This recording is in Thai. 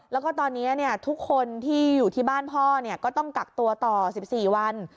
แล้วก็ตอนนี้ทุกคนที่อยู่ที่บ้านพ่อก็ต้องกักตัวต่อ๑๔วัน